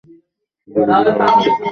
জলদি শহর খালি করো।